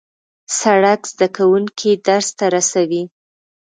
سړک زدهکوونکي درس ته رسوي.